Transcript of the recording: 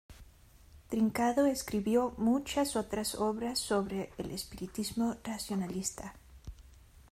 Trincado escribió muchas obras sobre el espiritismo racionalista.